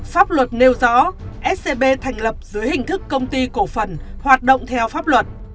pháp luật nêu rõ scb thành lập dưới hình thức công ty cổ phần hoạt động theo pháp luật